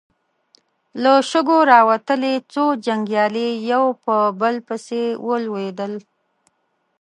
له شګو راوتلې څو جنګيالي يو په بل پسې ولوېدل.